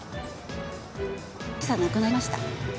今朝亡くなりました。